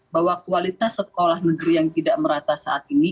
bahwa kualitas sekolah negeri yang tidak merata saat ini